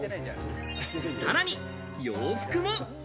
さらに洋服も。